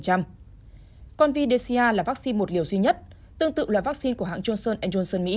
convidca là vaccine một liều duy nhất tương tự là vaccine của hãng johnson johnson mỹ